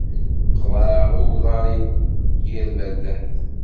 Qeḍɛeɣ i uḍar-iw yir iberdan.